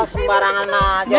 sembarangan aja neng